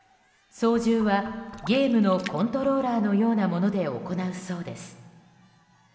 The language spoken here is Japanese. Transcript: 操縦はゲームのコントローラーのようなもので行うそうです。